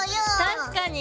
確かに！